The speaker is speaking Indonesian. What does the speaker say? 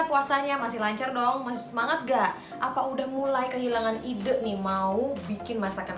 puasanya masih lancar dong masih semangat enggak apa udah mulai kehilangan ide nih mau bikin masakan